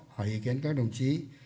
hỏi ý kiến các đồng chí